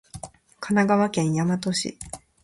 神奈川県大和市